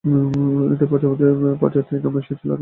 এদের প্রজাতি নাম এসেছে লাতিন থেকে যার অর্থ উজ্জ্বল।